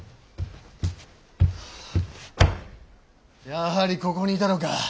・やはりここにいたのか。